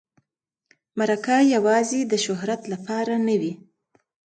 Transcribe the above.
مرکه یوازې د شهرت لپاره نه وي.